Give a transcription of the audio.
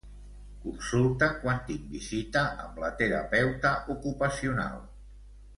Consulta quan tinc visita amb la terapeuta ocupacional.